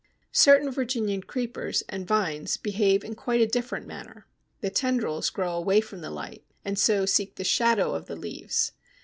Certain Virginian Creepers and Vines behave in quite a different manner. The tendrils grow away from the light and so seek the shadow of the leaves.